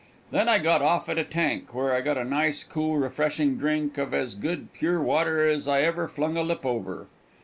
Then I got off at a tank, where I got a nice, cool, refreshing drink of as good, pure water as I ever flung a lip over.